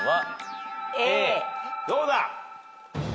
どうだ？